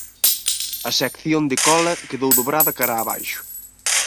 A sección de cola quedou dobrada cara abaixo.